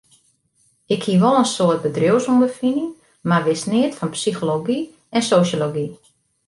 Ik hie wol in soad bedriuwsûnderfining, mar wist neat fan psychology en sosjology.